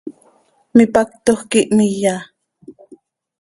Mipactoj quih hmiya.